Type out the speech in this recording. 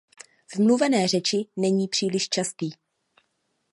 V mluvené řeči není příliš častý.